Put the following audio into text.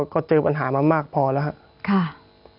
ก็เจอปัญหาม้ามมากพอแล้ว